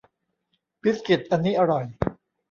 บิสกิตอันนี้อร่อย